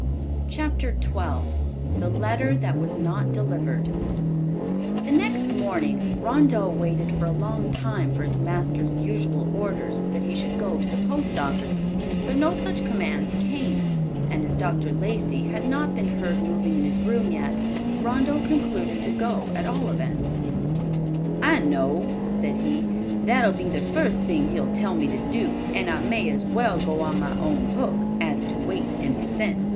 CHAPTER XII THE LETTER THAT WAS NOT DELIVERED The next morning, Rondeau waited for a long time for his master's usual orders that he should go to the post office, but no such commands came, and as Dr. Lacey had not been heard moving in his room yet, Rondeau concluded to go at all events. "I know,", said he, "that'll be the first thing he'll tell me to do, and I may as well go on my own hook, as to wait and be sent."